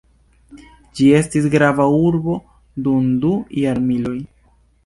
Ĝi estis grava urbo dum du jarmiloj.